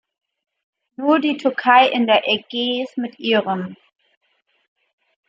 Nur die Türkei in der Ägäis mit ihrem .